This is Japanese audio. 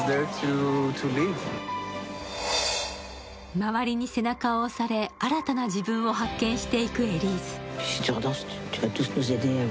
周りに背中を押され、新たな自分を発見していくエリーズ。